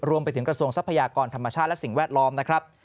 กระทรวงทรัพยากรธรรมชาติและสิ่งแวดล้อมนะครับ